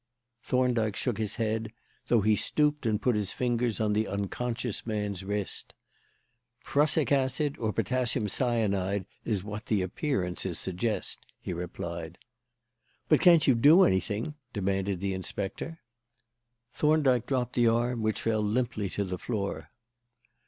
Thorndyke shook his head, though he stooped and put his fingers on the unconscious man's wrist. "Prussic acid or potassium cyanide is what the appearances suggest," he replied. "But can't you do anything?" demanded the inspector. Thorndyke dropped the arm, which fell limply to the floor.